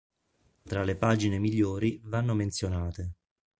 Tra le pagine migliori vanno menzionate